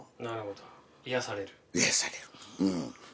なるほど癒される。